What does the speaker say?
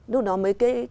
lúc đó mới